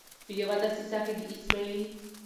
په یوه دسیسه کې د اسمعیل